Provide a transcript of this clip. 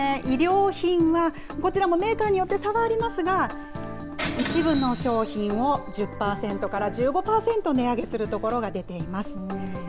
衣料品は、こちらもメーカーによって、差はありますが、一部の商品を１０％から１５％値上げするところが出ています。